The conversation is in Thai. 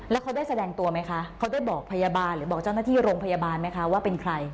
แล้วเขาได้แสดงตัวไหมคะเขาได้บอกพยาบาลหรือบอกเจ้าหน้าที่โรงพยาบาลไหมคะว่าเป็นใคร